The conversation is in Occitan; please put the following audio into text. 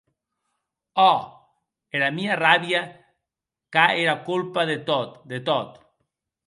Ò, era mia ràbia qu'a era colpa de tot!, de tot!